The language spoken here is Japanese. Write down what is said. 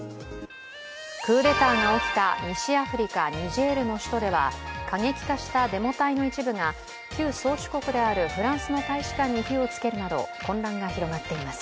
クーデターが起きた西アフリカ・ニジェールの首都では、過激化したデモ隊の一部が旧宗主国であるフランスの大使館に火をつけるなど、混乱が広がっています。